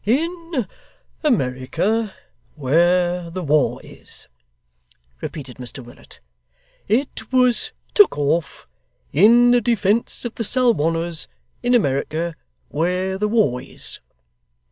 'In America, where the war is,' repeated Mr Willet. 'It was took off in the defence of the Salwanners in America where the war is.